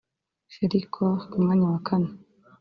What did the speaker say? Cheryl Cole ku mwanya wa kane